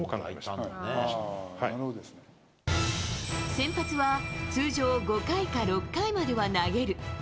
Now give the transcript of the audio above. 先発は通常５回か６回までは投げる。